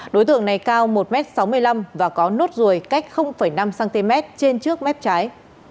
đối tượng này cao một m sáu mươi năm và có nốt ruồi cách năm cm trên trước mép trái